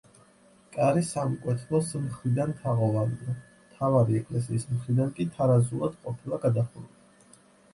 კარი სამკვეთლოს მხრიდან თაღოვანია, მთავარი ეკლესიის მხრიდან კი თარაზულად ყოფილა გადახურული.